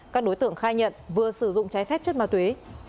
các đối tượng khai nhận vừa sử dụng trái phép chất ma túy